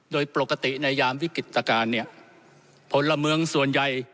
โดยปกติในยามวิกฤตการณ์เนี่ยพลเมืองส่วนใหญ่